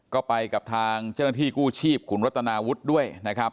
ก็ไปกับทางเจ้าหน้าที่กู้ชีพขุนรัตนาวุฒิด้วยนะครับ